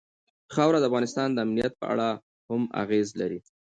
خاوره د افغانستان د امنیت په اړه هم اغېز لري.